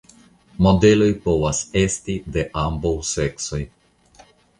Modeloj povas esti de ambaŭ seksoj.